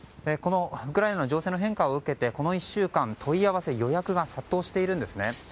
ウクライナの情勢の変化を受けてこの１週間、問い合わせ予約が殺到しているんですね。